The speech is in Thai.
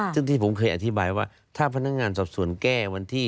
ซึ่งที่ผมเคยอธิบายว่าถ้าพนักงานสอบสวนแก้วันที่